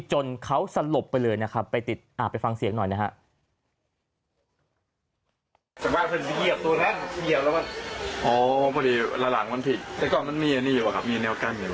จนเขาสลบไปเลยนะครับไปติดไปฟังเสียงหน่อยนะฮะ